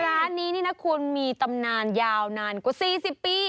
ร้านนี้นี่นะคุณมีตำนานยาวนานกว่า๔๐ปี